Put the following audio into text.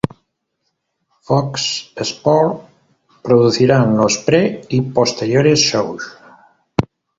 Fox Sports producirán los pre-y posteriores-shows.